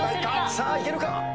さあいけるか？